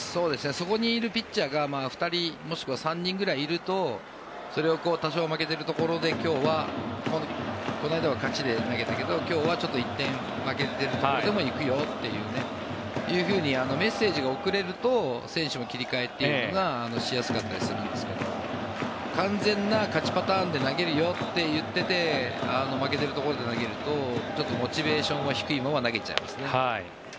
そこにいるピッチャーが２人もしくは３人くらいいると多少負けているところでこの間は勝ちで投げたけど今日はちょっと１点負けてるところでも行くよというふうにメッセージを送れると選手も切り替えというのがしやすかったりするんですが完全な勝ちパターンで投げるよって言っていて負けているところで投げるとちょっとモチベーションが低いまま投げちゃいますね。